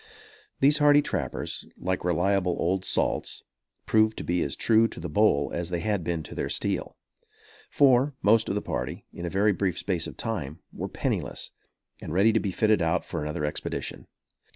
These hardy trappers, like reliable old salts, proved to be as true to the bowl as they had been to their steel; for, most of the party, in a very brief space of time, were penniless and ready to be fitted out for another expedition.